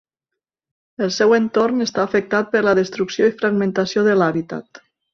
El seu entorn està afectat per la destrucció i fragmentació de l'hàbitat.